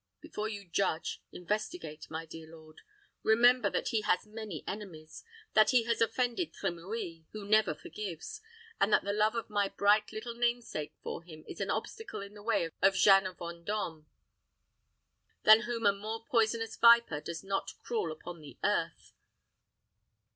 Before you judge, investigate, my dear lord. Remember that he has many enemies that he has offended Trimouille, who never forgives; and that the love of my bright little namesake for him is an obstacle in the way of Jeanne of Vendôme, than whom a more poisonous viper does not crawl upon the earth."